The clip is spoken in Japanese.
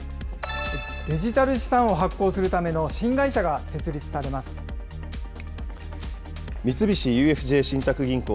デジタル資産を発行するための新会社が設立されます。三菱ＵＦＪ信託銀行